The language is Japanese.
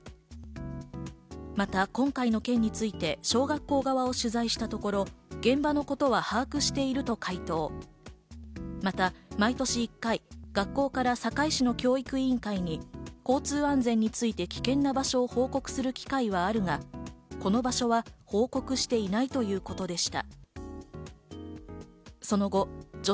また今回の件について小学校側を取材したところ、現場は把握していると回答、また毎年１回学校から堺市の教育委員会に交通安全について危険な場所を報告する機会はあるが、この場所は報告していないということでした。